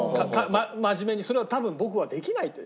真面目にそれは多分僕はできないって。